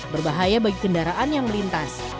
berbahaya bagi kendaraan yang melintas